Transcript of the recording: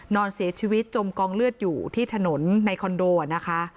นอนเสียชีวิตจมกองเลือดอยู่ที่ถนนในคอนโดนะคะ